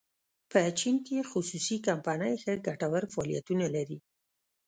په چین کې خصوصي کمپنۍ ښه ګټور فعالیتونه لري.